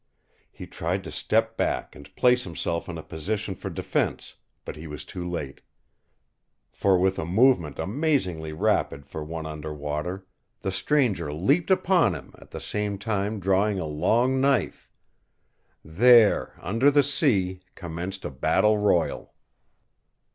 He tried to step back and place himself in a position for defense, but he was too late. For, with a movement amazingly rapid for one under water, the stranger leaped upon him, at the same time drawing a long knife. There, under the sea, commenced a battle royal.